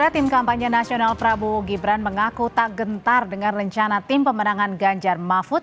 tim kampanye nasional prabowo gibran mengaku tak gentar dengan rencana tim pemenangan ganjar mahfud